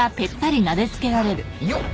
よっ！